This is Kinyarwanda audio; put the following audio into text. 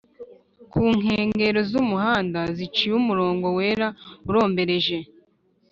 kunkengero z' umuhanda ziciyeho umurongo wera urombereje